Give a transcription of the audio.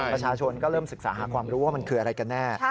ประชาชนก็เริ่มศึกษาหาความรู้ว่ามันคืออะไรกันแน่